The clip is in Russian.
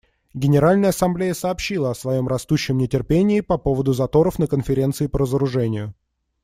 Генеральная Ассамблея сообщила о своем растущем нетерпении по поводу заторов на Конференции по разоружению.